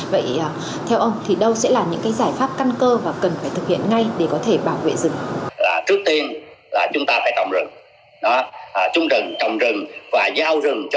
vậy theo ông thì đâu sẽ là những giải pháp căn cơ và cần phải thực hiện ngay để có thể bảo vệ rừng